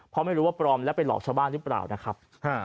เพราะไม่รู้ว่าปลอมแล้วไปหลอกชาวบ้านหรือเปล่านะครับ